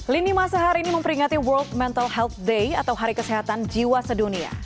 lini masa hari ini memperingati world mental health day atau hari kesehatan jiwa sedunia